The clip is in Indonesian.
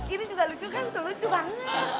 ini juga lucu kan lucu banget